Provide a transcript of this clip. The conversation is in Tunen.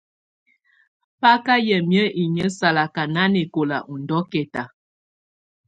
Baka yamɛ̀á inƴǝ́ salaka nanɛkɔla ù ndɔ̀kɛta.